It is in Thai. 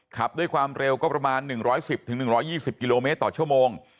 ขับด้วยความเร็วก็ประมาณ๑๑๐๑๒๐กิโลเมตรต่อชั่วโมง